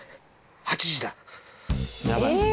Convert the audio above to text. ８時だえ